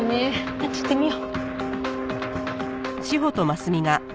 あっち行ってみよう。